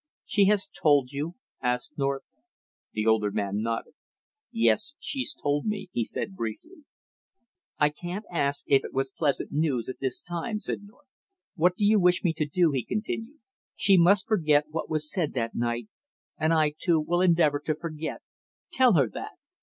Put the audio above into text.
"She has told you?" asked North. The older man nodded. "Yes, she's told me," he said briefly. "I can't ask if it was pleasant news at this time," said North. "What do you wish me to do?" he continued. "She must forget what was said that night, and I, too, will endeavor to forget tell her that."